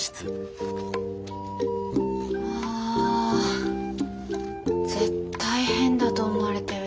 あ絶対変だと思われたよ